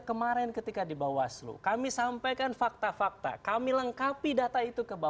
kemarin ketika di bawaslu kami sampaikan fakta fakta kami lengkapi data itu ke bawah